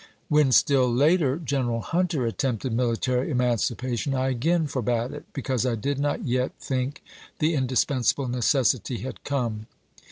When, still later. General Hunter attempted military emancipation, I again forbade it, because I did not yet think the indispensable necessity had come.